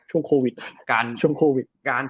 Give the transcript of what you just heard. ช่วงโควิด